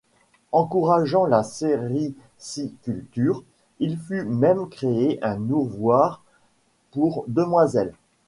Encourageant la sériciculture, il fut même créé un ouvroir pour demoiselle.